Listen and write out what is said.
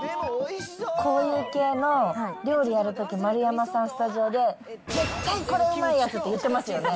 こういう系の料理やるとき、丸山さん、スタジオで、絶対、これうまいやつ！って言ってますよね。